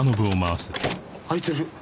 開いてる。